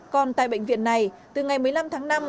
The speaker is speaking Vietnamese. còn tại bệnh viện này từ ngày một mươi năm tháng năm